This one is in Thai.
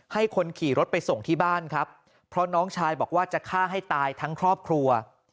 ให้คนขี่รถไปส่งที่บ้านครับเพราะน้องชายบอกว่าจะฆ่าให้ตายทั้งครอบครัว